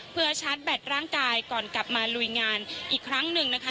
เพื่อชาร์จแบตร่างกายก่อนกลับมาลุยงานอีกครั้งหนึ่งนะคะ